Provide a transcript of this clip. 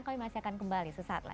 kami masih akan kembali sesaat lagi